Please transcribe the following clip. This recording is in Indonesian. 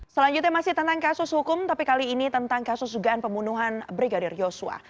selanjutnya masih tentang kasus hukum tapi kali ini tentang kasus dugaan pembunuhan brigadir yosua